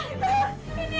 ini apaan ini